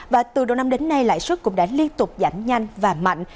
và từ đầu năm đến nay lãi suất cũng đã liên tục giảm nhanh và mạnh